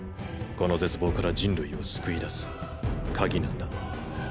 この絶望から人類を救い出す「鍵」なんだ。